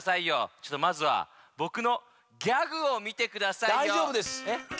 ちょっとまずはぼくのギャグをみてくださいよ。